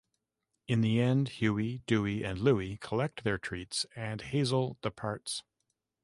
In the end, Huey, Duey, and Louie collect their treats and Hazel departs.